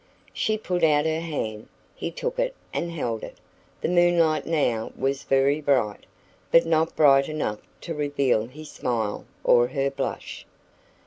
She put out her hand. He took it and held it. The moonlight now was very bright, but not bright enough to reveal his smile or her blush.